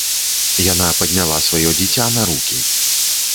Яна падняла сваё дзіця на рукі.